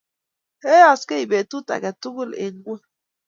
Yayasgei betut age tugul eng ngweny